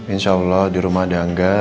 insya allah di rumah dangga